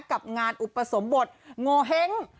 กับงานอุปสมบทโงเห้ง